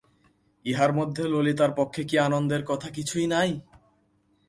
ইহার মধ্যে ললিতার পক্ষে কি আনন্দের কথা কিছুই নাই?